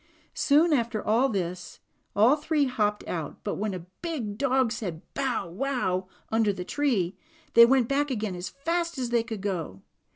Soon after this all three hopped out, but when a big dog said "bow wow," under the tree, they went back again as fast as they could go.